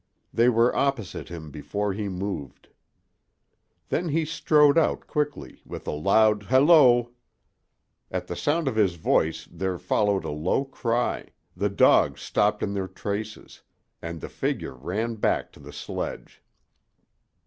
They were opposite him before he moved. Then he strode out quickly, with a loud holloa. At the sound of his voice there followed a low cry, the dogs stopped in their traces, and the figure ran back to the sledge.